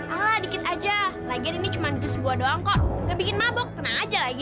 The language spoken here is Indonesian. ah lah dikit aja lagian ini cuma jus buah doang kok gak bikin mabok tenang aja lagi